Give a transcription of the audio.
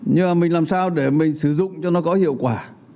nhưng mà mình làm sao để mình sử dụng cho nó có hiệu quả